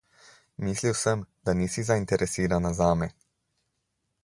Mislil sem, da nisi zainteresirana zame.